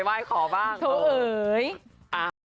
ร้อยขอบ้าง